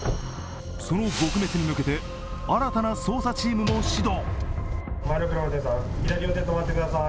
その撲滅に向けて新たな捜査チームも始動。